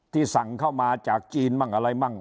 สั่งเข้ามาจากจีนมั่งอะไรมั่ง